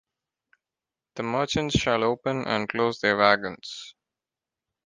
The merchants shall open and close their wagons.